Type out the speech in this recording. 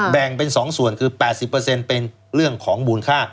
แบ่งเป็น๒ส่วนคือ๘๐เป็นเรื่องของมูลค่า